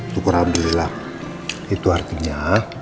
syukur abdulillah itu artinya